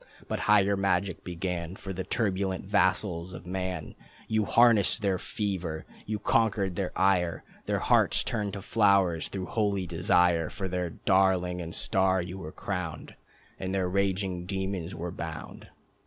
But higher magic began. For the turbulent vassals of man. You harnessed their fever, you conquered their ire, Their hearts turned to flowers through holy desire, For their darling and star you were crowned, And their raging demons were bound.